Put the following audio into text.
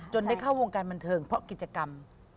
ได้เข้าวงการบันเทิงเพราะกิจกรรม